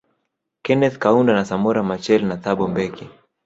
Keneth Kaunda na Samora Michael na Thabo mbeki